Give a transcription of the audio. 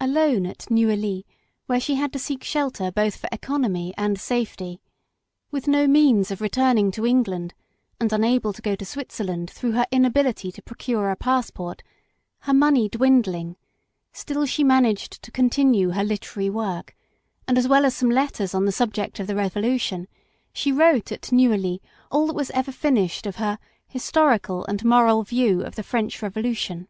Alone at Neuilly, where she had to seek shelter both for economy and safety, with no means of . PARENTAGE. 11 returning to England, and unable to go to Switzer land through her inability to procure a passport, her money dwindling, still she managed to continue her literary work ; and as well as some letters on the sub ject of the Revolution, she wrote at Neuilly all that was ever finished of her Historical and Moral View of the French Revolution.